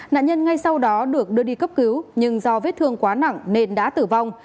nạn nhân ngay sau đó được đưa đi cấp cứu nhưng do vết thương quá nặng nên đã tử vong